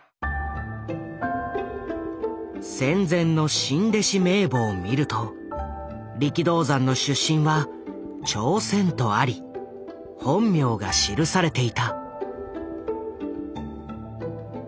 戦前の新弟子名簿を見ると力道山の出身は朝鮮とあり本名が記されていた。